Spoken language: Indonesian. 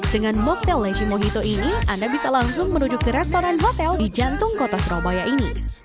dengan moktel leji mohito ini anda bisa langsung menuju ke restoran hotel di jantung kota surabaya ini